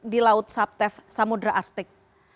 di laut sabtev samudera artik